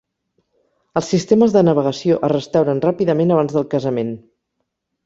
Els sistemes de navegació es restauren ràpidament abans del casament.